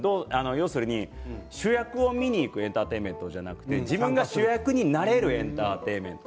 要するに主役を見に行くエンターテインメントじゃなくて自分が主役になれるエンターテインメント。